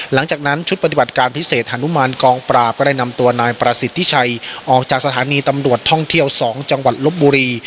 หลังจากนั้นชุดปฏิบัติการพิเศษฮานุมานกองปราบก็ได้นำตัวนายประสิทธิชัยออกจากสถานีตำรวจท่องเที่ยว๒จังหวัดลบบุรี